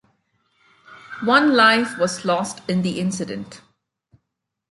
One life was lost in the incident.